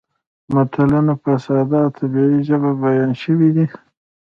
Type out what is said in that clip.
متلونه په ساده او طبیعي ژبه بیان شوي دي